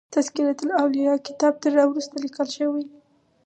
تذکرة الاولیاء کتاب تر را وروسته لیکل شوی.